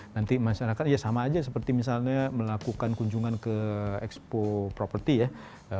nanti masyarakat ya sama aja seperti misalnya melakukan kunjungan ke expo properti ya